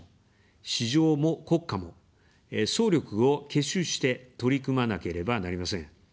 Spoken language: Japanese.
「市場も国家も」、総力を結集して取り組まなければなりません。